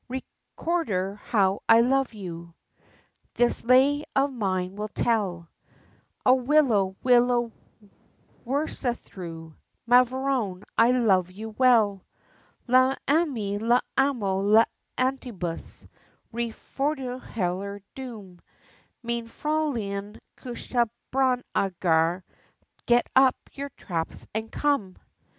Recordar, how I love you, This lay of mine will tell, O willow! willow! wirrasthrue! Mavrone! I love you well! L'ami l'amo l'amantibus Ri foldherando dum, Mein fraulein cushla bawn agrah! Get up your traps, and come!"